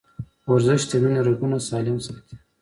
ورزش د وینې رګونه سالم ساتي.